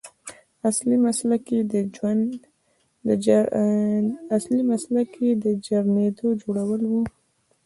اصلي مسلک یې د ژرندو جوړول و.